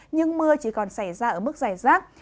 nhưng mưa chỉ còn xảy ra ở mức dài rác